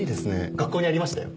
学校にありましたよ。